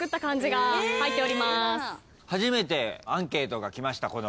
初めてアンケートが来ました